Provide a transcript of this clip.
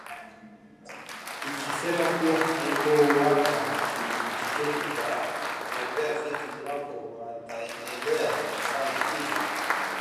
ikisema kuwa haitowapa tiketi za kugombea viti iwapo wataendelea kufanya hivyo